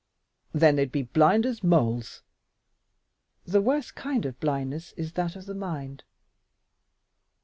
"Then they'd be blind as moles." "The worst kind of blindness is that of the mind."